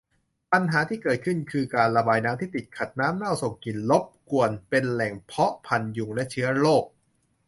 ปัญหาที่เกิดขึ้นคือ การระบายน้ำที่ติดขัด น้ำเน่าส่งกลิ่นรบกวน เป็นแหล่งเพาะพันธุ์ยุงและเชื้อโรค